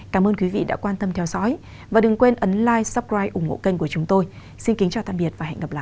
cảm ơn quý vị đã quan tâm theo dõi và đừng quên ấn lai suppride ủng hộ kênh của chúng tôi xin kính chào tạm biệt và hẹn gặp lại